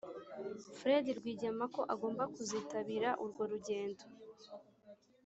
fred rwigema ko agomba kuzitabira urwo rugendo,